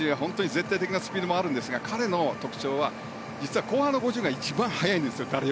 絶対的なスピードもあるんですが彼の特徴は実は後半の５０ｍが一番誰よりも速いんです。